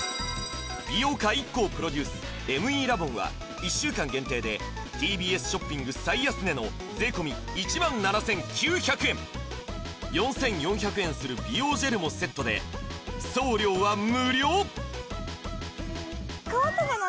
美容家ＩＫＫＯプロデュースＭＥラボンは１週間限定でＴＢＳショッピング最安値の税込１万７９００円４４００円する美容ジェルもセットで送料は無料変わったかな？